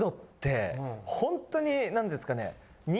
本当に何ですかね。